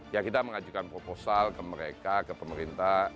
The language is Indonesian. ya kita mengajukan proposal ke mereka ke pemerintah